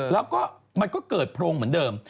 แล้วก็มันก็เกิดโพรงเหมือนเดิม